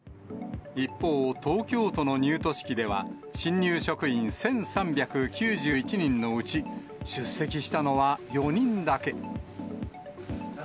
一方、東京都の入都式では、新入職員１３９１人のうち、出席したのは４人だけ。